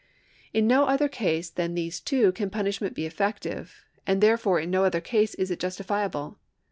In no other case than these two can punishment be effective, and therefore in no other case is it justifiable.